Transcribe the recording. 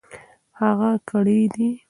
هغه کړېدی .